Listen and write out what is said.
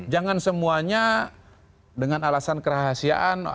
jangan semuanya dengan alasan kerahasiaan